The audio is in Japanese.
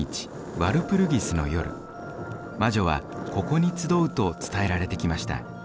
ワルプルギスの夜魔女はここに集うと伝えられてきました。